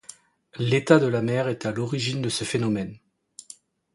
L'état de la mer est à l'origine de ce phénomène.